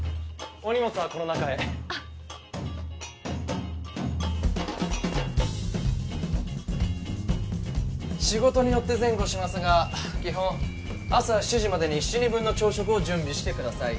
お荷物はこの中へ仕事によって前後しますが基本朝７時までに７人分の朝食を準備してください